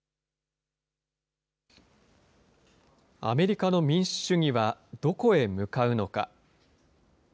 アメリカの民主主義はどこへ向かうのか。